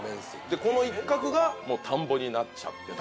この一角が田んぼになっちゃってた。